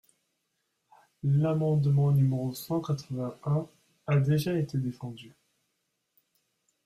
L’amendement n° cent quatre-vingt-un a déjà été défendu.